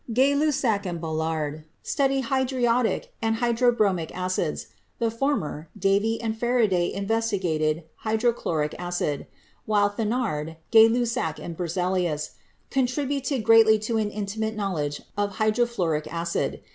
Gay Lussac and Balard studied hydriodic and hy drobromic acids ; the former, Davy and Faraday inves tigated hydrochloric acid ; while Thenard, Gay Lussac and Berzelius contributed greatly to an intimate knowledge of hydrofluoric acid.